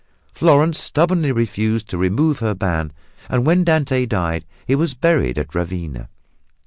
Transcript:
Florence stubbornly refused to remove her ban and when Dante died he was buried at Ravenna.